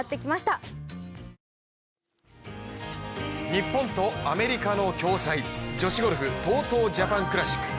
日本とアメリカの共催、女子ゴルフＴＯＴＯジャパンクラシック。